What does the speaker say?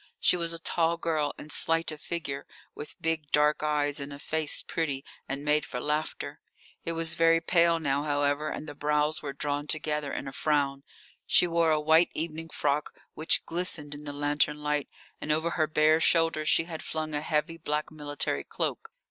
She was a tall girl and slight of figure, with big, dark eyes, and a face pretty and made for laughter. It was very pale now, however, and the brows were drawn together in a frown. She wore a white evening frock, which glistened in the lantern light, and over her bare shoulders she had flung a heavy black military cloak.